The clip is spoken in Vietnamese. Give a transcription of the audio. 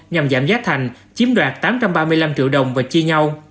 nhằm giảm giá thành chiếm đoạt tám trăm ba mươi năm triệu đồng và chia nhau